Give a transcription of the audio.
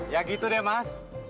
ya gitu deh mas